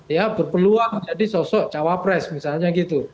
ya berpeluang jadi sosok cawapres misalnya gitu